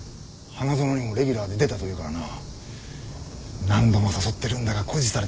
花園にもレギュラーで出たというからな何度も誘ってるんだが固辞されてしまってな。